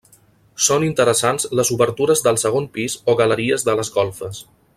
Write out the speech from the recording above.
Són interessants les obertures del segon pis o galeries de les golfes.